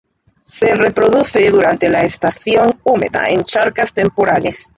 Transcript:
Se reproduce durante la estación húmeda en charcas temporales.